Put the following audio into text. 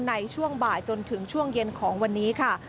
ในช่วงบ่ายจนถึงช่วงเย็นของวันนี้ค่ะ